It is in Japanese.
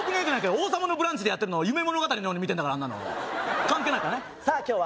「王様のブランチ」でやってるのを夢物語のように見てんだから関係ないからね「さあ今日は」